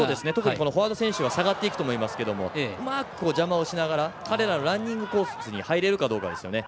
フォワード選手が下がっていくと思いますがうまく邪魔しながら彼らのランニングコースに入れるかどうかですね。